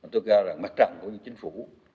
tôi gọi là mặt trạng của chính phủ